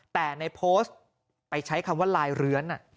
แต่ในโพสต์ไปใช้คำว่าลายเรือน